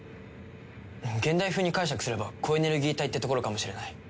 現代風に解釈すれば高エネルギー体ってところかもしれない。